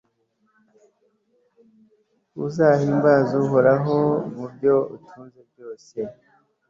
uzahimbaze uhoraho mu byo utunze byose